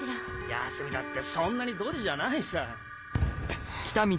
泰美だってそんなにドジじゃないさ。